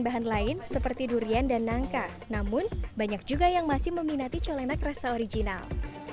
bahan lain seperti durian dan nangka namun banyak juga yang masih meminati colenak rasa original